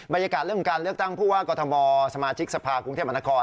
บรรยากาศเรื่องของการเลือกตั้งผู้ว่ากรทมสมาชิกสภากรุงเทพมหานคร